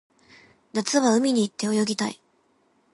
夏は海に行って泳ぎたい